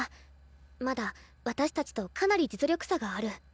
まだ私たちとかなり実力差がある。